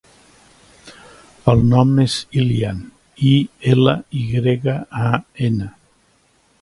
El nom és Ilyan: i, ela, i grega, a, ena.